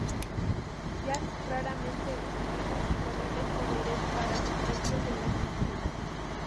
Jack raramente utiliza sus terribles poderes para su propio beneficio.